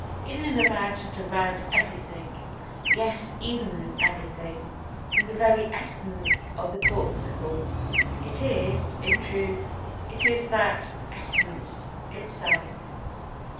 In and about and around everything—yes, even[Pg 184] in Everything—in the very essence of the Corpuscle it is—in truth it is that Essence itself.